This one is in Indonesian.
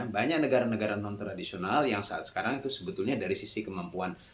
banyak negara negara non tradisional yang saat sekarang itu sebetulnya dari sisi kemampuan